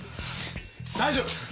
大丈夫。